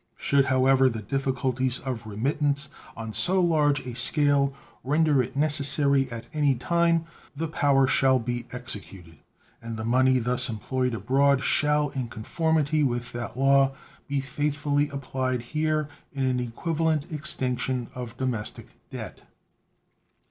Should, however, the difficulties of remittance on so large a scale render it necessary at any time, the power shall be executed and the money thus employed abroad shall, in conformity with that law, be faithfully applied here in an equivalent extinction of domestic debt.